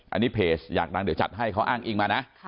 อันนี้เพจอยากดังเดี๋ยวจัดให้เขาอ้างอิงมานะ